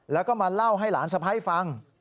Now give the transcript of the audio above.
แล้วก็มาเล่าให้หลานสะพ้ายฟัง